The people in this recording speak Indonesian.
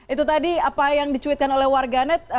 itu tadi apa yang dicuitkan oleh warganet